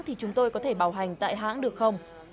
tại vì muốn một hãng là một ấy